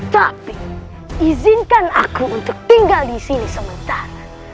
tapi izinkan aku untuk tinggal di sini sementara